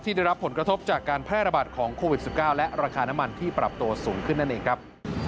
ได้รับผลกระทบจากการแพร่ระบาดของโควิด๑๙และราคาน้ำมันที่ปรับตัวสูงขึ้นนั่นเองครับ